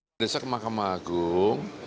mendesak makam agung